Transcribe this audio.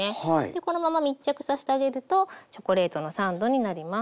このまま密着さしてあげるとチョコレートのサンドになります。